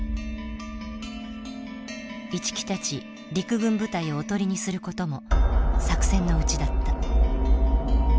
一木たち陸軍部隊を囮にすることも作戦のうちだった。